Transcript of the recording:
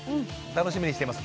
楽しみにしています